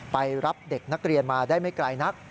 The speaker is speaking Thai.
ไปรับเด็กนักเรียนมาได้ไม่ไกลนัก